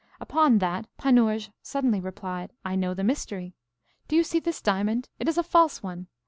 Upon that Panurge suddenly replied, I know the mystery. Do you see this diamond? It is a false one.